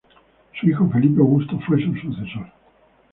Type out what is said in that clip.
Su hijo Felipe Augusto fue su sucesor.